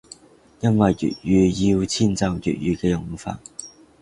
因為粵語要遷就粵語嘅用法